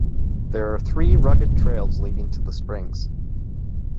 There are three rugged trails leading to the springs.